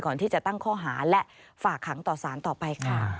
ก่อนที่จะตั้งข้อหาและฝากขังต่อสารต่อไปค่ะ